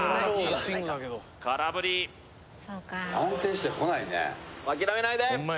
空振り諦めないで！